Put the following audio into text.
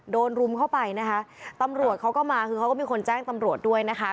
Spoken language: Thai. รุมเข้าไปนะคะตำรวจเขาก็มาคือเขาก็มีคนแจ้งตำรวจด้วยนะคะ